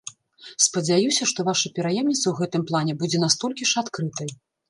Спадзяюся, што ваша пераемніца ў гэтым плане будзе настолькі ж адкрытай.